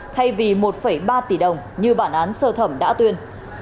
thay vì một ba tỷ đồng như bản án sơ thẩm đã tuyên